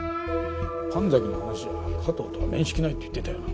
神崎の話じゃ加藤とは面識ないって言ってたよな？